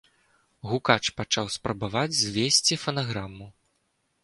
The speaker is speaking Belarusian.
Гукач пачаў спрабаваць звесці фанаграму.